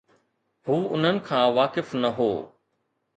هو انهن کان واقف نه هو.